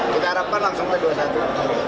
kita harapkan langsung ke dua puluh satu